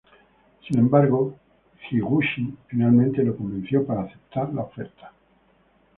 Sin embargo, Higuchi finalmente lo convenció para aceptar la oferta.